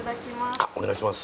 あお願いします